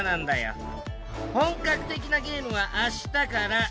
本格的なゲームは明日から！